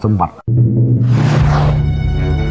ของของทุกคน